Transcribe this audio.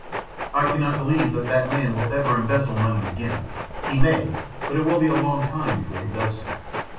I cannot believe that that man will ever embezzle money again. He may—but it will be a long time before he does so.